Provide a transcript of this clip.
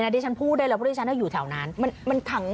ไม่ได้ฉันพูดได้เลยเพราะฉันก็อยู่แถวนั้น